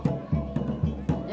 ya karena geraknya